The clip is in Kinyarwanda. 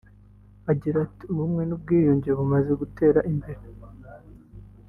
Agira ati ”Ubumwe n’ubwiyunge bumaze gutera imbere